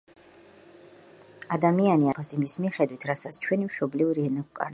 ადამიანი აწარმოებს ბუნების დაყოფას იმის მიხედვით, რასაც ჩვენი მშობლიური ენა გვკარნახობს.